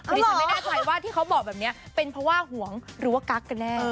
คือดิฉันไม่แน่ใจว่าที่เขาบอกแบบนี้เป็นเพราะว่าห่วงหรือว่ากั๊กกันแน่